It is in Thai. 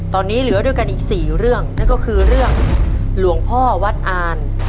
ตอนนี้เหลือด้วยกันอีกสี่เรื่องนั่นก็คือเรื่องหลวงพ่อวัดอ่าน